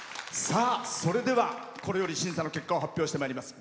それでは、これより審査の結果を発表してまいります。